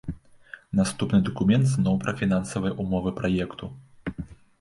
Наступны дакумент зноў пра фінансавыя ўмовы праекту.